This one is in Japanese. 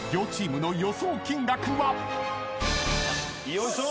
・よいしょ。